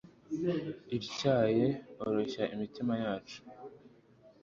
ityaye, oroshya imitima yacu